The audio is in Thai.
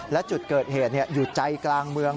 และจุดเกิดเหตุอยู่ใจกลางเมือง